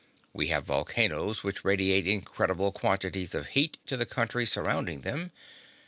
We have volcanos which radiate incredible quantities of heat to the country surrounding them.